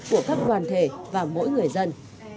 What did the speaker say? của các đoàn thể và mỗi người dân